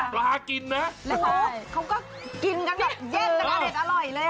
เค้าก็กินกันเล่นศร้ายเลย